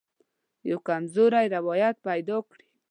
یوه کمزوری روایت پیدا کړي.